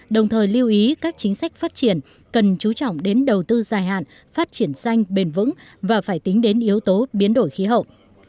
đồng thời lưu ý các chính sách phát triển cần chú trọng đến đầu tư dài hạn phát triển xanh bền vững và phải tính đến yếu tố biến đổi khí hậu